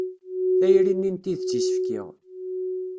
Tayri-nni n tidett i s-fkiɣ.